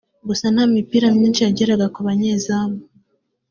Gusa nta mipira myinshi yageraga ku banyezamu